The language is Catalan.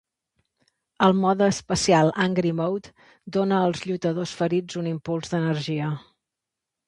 El mode especial "Angry Mode" dóna als lluitadors ferits un impuls d'energia.